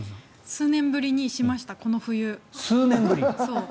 数年ぶりにしました数年ぶり？